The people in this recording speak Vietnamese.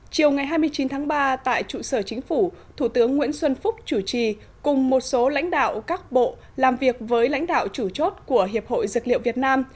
chiều ngày hai mươi chín tháng ba tại trụ sở chính phủ thủ tướng nguyễn xuân phúc chủ trì cùng một số lãnh đạo các bộ làm việc với lãnh đạo chủ chốt của hiệp hội dược liệu việt nam